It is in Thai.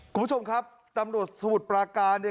คุณผู้ชมครับตำรวจสมุทรปราการเนี่ย